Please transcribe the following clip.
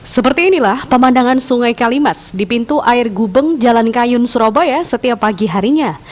seperti inilah pemandangan sungai kalimas di pintu air gubeng jalan kayun surabaya setiap pagi harinya